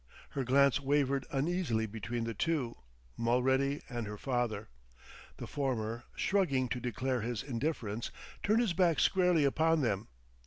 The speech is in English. Her glance wavered uneasily between the two, Mulready and her father. The former, shrugging to declare his indifference, turned his back squarely upon them.